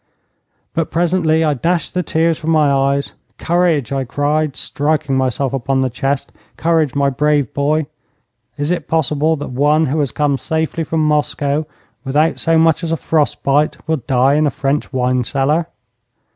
But presently I dashed the tears from my eyes. 'Courage!' I cried, striking myself upon the chest. 'Courage, my brave boy. Is it possible that one who has come safely from Moscow without so much as a frost bite will die in a French wine cellar?'